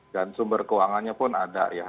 dan sumber keuangannya pun ada ya